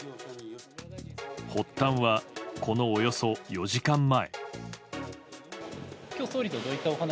発端は、このおよそ４時間前。